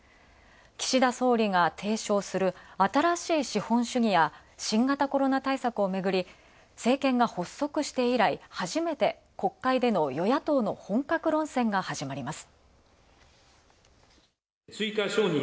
岸田総理が提唱する、新しい資本主義や新型コロナ対策をめぐり、政権が発足して以来、初めて国会での与野党の本格論戦が始まります。